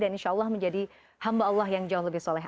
dan insya allah menjadi hamba allah yang jauh lebih soleh